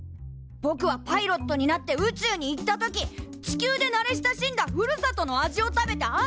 ぼくはパイロットになって宇宙に行った時地球で慣れ親しんだふるさとの味を食べて安心したい！